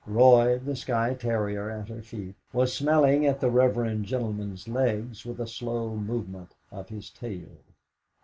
Roy, the Skye terrier at her feet, was smelling at the reverend gentleman's legs with a slow movement of his tail.